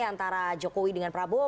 antara jokowi dengan prabowo